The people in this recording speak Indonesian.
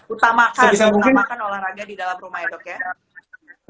utamakan utamakan olahraga di dalam rumah ya dok ya